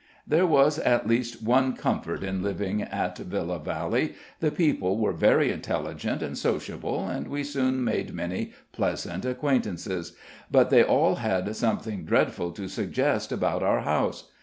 There was at least one comfort in living at Villa Valley: the people were very intelligent and sociable, and we soon made many pleasant acquaintances. But they all had something dreadful to suggest about our house.